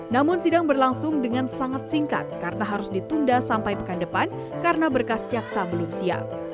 namun sidang berlangsung dengan sangat singkat karena harus ditunda sampai pekan depan karena berkas jaksa belum siap